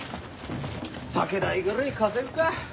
酒代ぐらい稼ぐか。